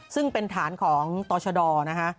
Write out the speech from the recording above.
ซึ่งเป็นฐานของต่อชดนะคะ